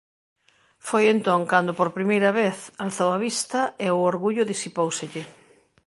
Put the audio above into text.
Foi entón cando, por primeira vez, alzou a vista, e o orgullo disipóuselle.